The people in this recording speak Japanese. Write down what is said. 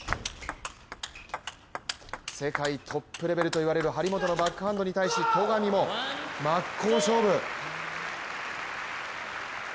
世界トップレベルといわれる張本のバックハンドに対し戸上も真っ向勝負。